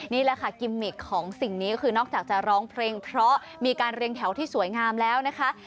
นี่แหละค่ะกิมมิกของสิ่งนี้ก็คือนอกจากจะร้องเพลงเพราะมีการเรียงแถวที่สวยงามแล้วนะคะ